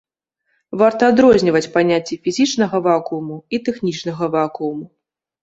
Варта адрозніваць паняцці фізічнага вакууму і тэхнічнага вакууму.